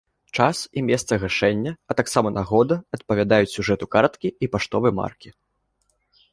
Час і месца гашэння, а таксама нагода адпавядаюць сюжэту карткі і паштовай маркі.